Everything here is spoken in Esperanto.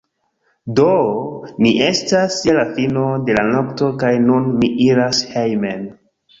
Do, ni estas je la fino de la nokto kaj nun mi iras hejmen